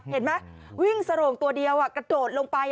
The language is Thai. เห็นไหมวิ่งสโรงตัวเดียวกระโดดลงไป